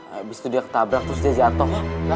habis itu dia ketabrak terus dia jatuh